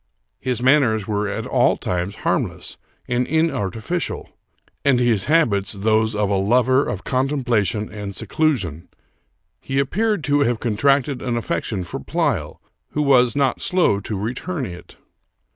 His manners were at all times harmless and inartificial, and his habits those of a lover of contemplation and seclusion. He ap peared to have contracted an affection for Pleyel, who was not slow to return it.